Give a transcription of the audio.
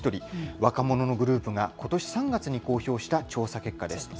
若者のグループがことし３月に公表した調査結果です。